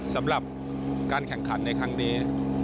สำหรับการแข่งขันในครั้งนี้